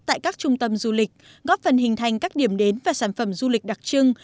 tại các trung tâm du lịch góp phần hình thành các điểm đến và sản phẩm du lịch đặc trưng